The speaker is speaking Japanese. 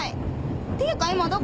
っていうか今どこ？